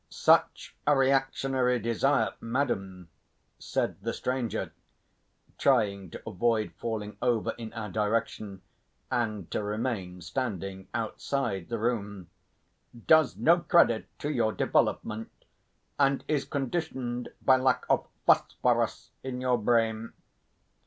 "Such a reactionary desire, madam," said the stranger, trying to avoid falling over in our direction and to remain standing outside the room, "does no credit to your development, and is conditioned by lack of phosphorus in your brain.